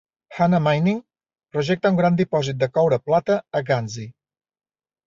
Hana Mining projecta un gran dipòsit de coure-plata a Ghanzi.